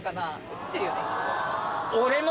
映ってるよねきっと。